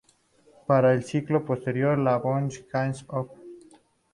Para el ciclo posterior "La bonne chanson", Op.